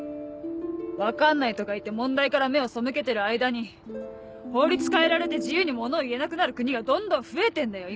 「分かんない」とか言って問題から目を背けてる間に法律変えられて自由に物を言えなくなる国がどんどん増えてんだよ